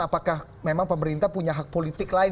apakah memang pemerintah punya hak politik lain